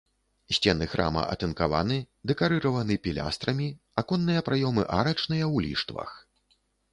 Сцены храма атынкаваны, дэкарыраваны пілястрамі, аконныя праёмы арачныя ў ліштвах.